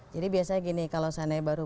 jadi biasanya gini kalau